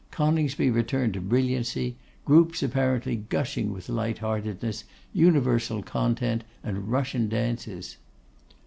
Coningsby returned to brilliancy, groups apparently gushing with light heartedness, universal content, and Russian dances!